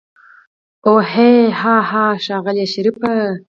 اوح هاهاها ښاغلی شريفه.